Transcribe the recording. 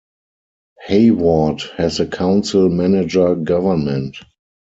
Hayward has a council-manager government.